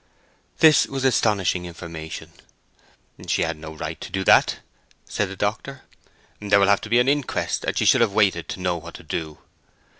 This was astonishing information. "She had no right to do that," said the doctor. "There will have to be an inquest, and she should have waited to know what to do."